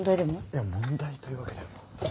いや問題というわけでは。